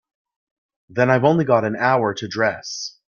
Then I've only got an hour to dress.